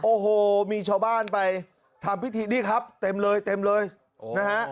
โอ้โหมีชาวบ้านไปทำพิธีนี่ครับเต็มเลยเต็มเลยนะฮะ